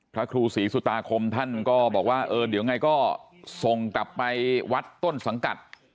พระครูศรีสุตาคมท่านก็บอกว่าเออเดี๋ยวไงก็ส่งกลับไปวัดต้นสังกัด